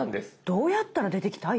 どうやったら出てきた？